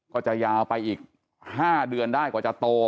ก็จะยาวไปอีก๕เดือนได้กว่าจะโต